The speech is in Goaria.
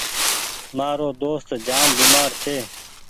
مآرو دوست جآم بيمآر ڇي۔